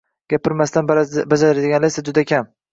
Gapirmasdan bajaradiganlar esa juda kam.